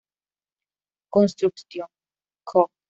Construction Co.